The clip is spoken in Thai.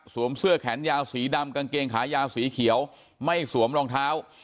เสื้อแขนยาวสีดำกางเกงขายาวสีเขียวไม่สวมรองเท้า